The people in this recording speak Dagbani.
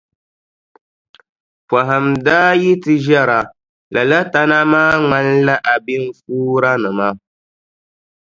Pɔhim daa yi ti ʒɛra lala tana maa ŋmanila abinfuuranima.